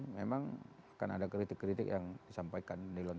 memang akan ada kritik kritik yang disampaikan di dalam